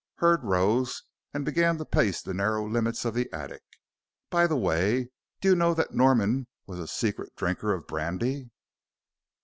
Hurd rose and began to pace the narrow limits of the attic. "By the way, do you know that Norman was a secret drinker of brandy?"